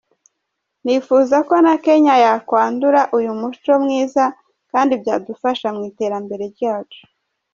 Nifuza ko na Kenya yakwandura uyu muco mwiza kandi byadufasha mu iterambere ryacu”.